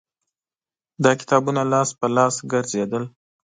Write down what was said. دا کتابونه لاس په لاس ګرځېدل